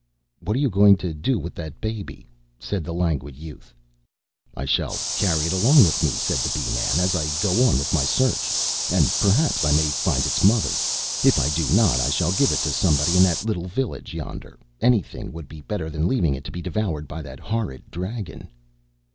"What are you going to do with that baby?" said the Languid Youth. "I shall carry it along with me," said the Bee man, "as I go on with my search, and perhaps I may find its mother. If I do not, I shall give it to somebody in that little village yonder. Any thing would be better than leaving it to be devoured by that horrid dragon."